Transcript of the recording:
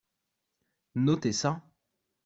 Notez ça.